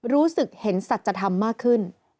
รู้สึกเห็นสัจธรรมมากขึ้น